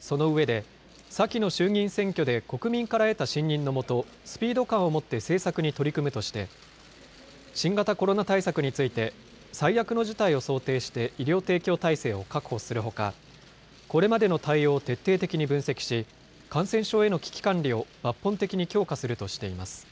その上で、先の衆議院選挙で国民から得た信任のもと、スピード感を持って政策に取り組むとして、新型コロナ対策について、最悪の事態を想定して医療提供体制を確保するほか、これまでの対応を徹底的に分析し、感染症への危機管理を抜本的に強化するとしています。